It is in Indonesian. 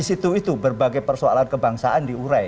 itu itu berbagai persoalan kebangsaan diurei